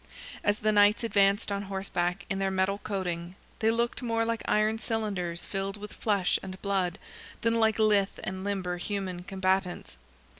As the Knights advanced on horseback, in their metal coating, they looked more like iron cylinders filled with flesh and blood, than like lithe and limber human combatants.